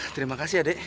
terima kasih adek